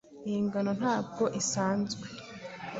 iyi ngona ntabwo isanzwe